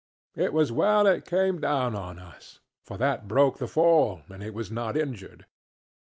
It was well it came down on us, for that broke the fall, and it was not injured.